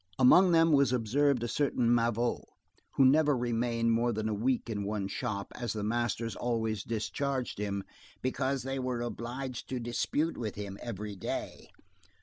Among them was observed a certain Mavot, who never remained more than a week in one shop, as the masters always discharged him "because they were obliged to dispute with him every day."